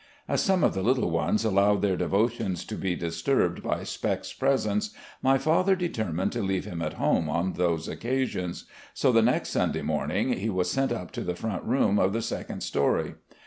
As some of the little ones allowed their devotions to be disturbed by Spec's presence, my father determined to leave him at home on those occasions. So the next Sunday morning, he was sent up to the front room of the second story.